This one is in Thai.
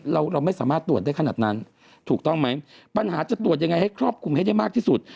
เราเราไม่สามารถตรวจได้ขนาดนั้นถูกต้องไหมปัญหาจะตรวจยังไงให้ครอบคลุมให้ได้มากที่สุด